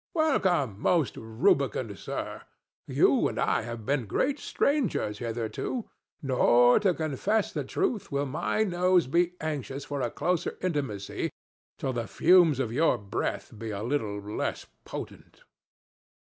—Welcome, most rubicund sir! You and I have been great strangers hitherto; nor, to confess the truth, will my nose be anxious for a closer intimacy till the fumes of your breath be a little less potent.